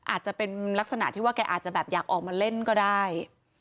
อาจจะเป็นลักษณะที่ว่าแกอาจจะแบบอยากออกมาเล่นก็ได้